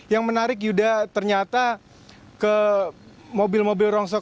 yang menarik yuda ternyata ke mobil mobil rongsok